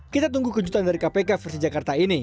kita tunggu kejutan dari kpk versi jakarta ini